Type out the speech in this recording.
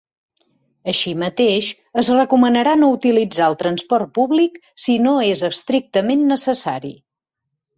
Així mateix, es recomanarà no utilitzar el transport públic si no és estrictament necessari.